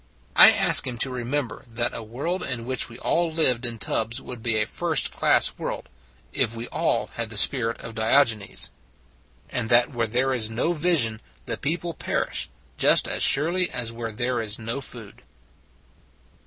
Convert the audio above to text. I ask him to remember that a world in which we all lived in tubs would be a first class world, if we all had the spirit of Diogenes: And that where there is no vision the people perish just as surely as where there is no food.